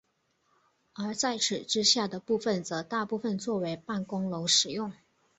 而在此之下的部分则大部分作为办公楼使用。